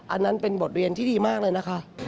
อันนั้นเป็นบทเรียนที่ดีมากเลยนะคะ